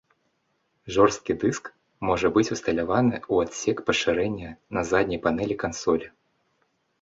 Жорсткі дыск можа быць усталяваны ў адсек пашырэння на задняй панэлі кансолі.